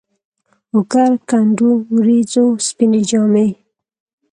اوکر کنډو ، وریځو سپيني جامې